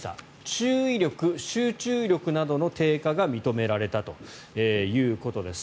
注意力、集中力などの低下が認められたということです。